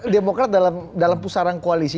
demokrat dalam pusaran koalisi